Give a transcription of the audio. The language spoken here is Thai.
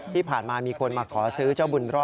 ที่ผ่านมามีคนมาขอซื้อเจ้าบุญรอด